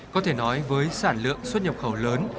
có thể nói với sản lượng xuất nhập khẩu lớn